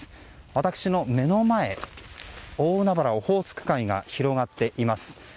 私の目の前、大海原オホーツク海が広がっています。